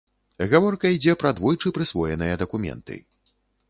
Гаворка ідзе пра двойчы прысвоеныя дакументы.